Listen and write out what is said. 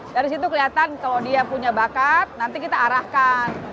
dari situ kelihatan kalau dia punya bakat nanti kita arahkan